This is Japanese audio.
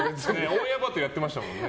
「オンエアバトル」やってましたもんね。